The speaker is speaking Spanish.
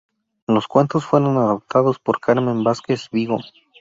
Los cuentos fueron adaptados por Carmen Vázquez Vigo.